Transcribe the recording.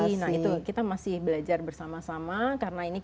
karena ini kita mengharuskan untuk mencari penelitian yang ada di negara negara ini